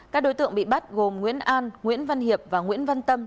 các đối tượng bị bắt gồm nguyễn an nguyễn văn hiệp và nguyễn văn tâm